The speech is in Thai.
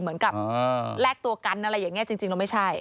เหมือนกับแลกตัวกันอะไรอย่างนี้จริงแล้วไม่ใช่